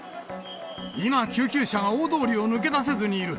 今、救急車が大通りを抜け出せずにいる。